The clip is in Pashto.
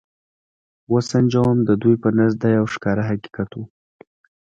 و سنجوم، د دوی په نزد دا یو ښکاره حقیقت و.